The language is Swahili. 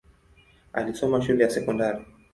Alisoma shule ya sekondari.